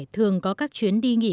thường có các chuyến đi nghỉ